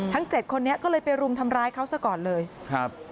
เจ็ดคนนี้ก็เลยไปรุมทำร้ายเขาซะก่อนเลยครับ